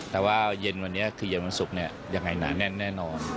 แต่ว่าเย็นวันนี้คือเย็นวันศุกร์เนี่ยยังไงหนาแน่นแน่นอน